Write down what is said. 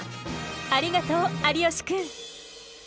ありがとう有吉くん。